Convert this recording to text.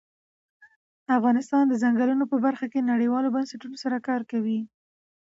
افغانستان د ځنګلونه په برخه کې نړیوالو بنسټونو سره کار کوي.